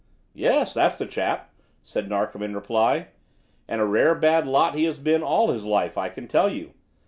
"Yes; that's the chap," said Narkom in reply. "And a rare bad lot he has been all his life, I can tell you.